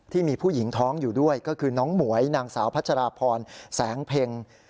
ที่มีผู้หญิงท้องอยู่ด้วยก็คือน้องหมวยนางสาวพัชราพรแสงเพ็ง